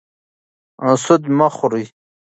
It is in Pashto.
سود مه خورئ.